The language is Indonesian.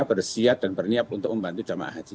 bersiap dan berniat untuk membantu jemaah haji